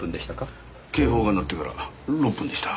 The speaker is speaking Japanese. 警報が鳴ってから６分でした。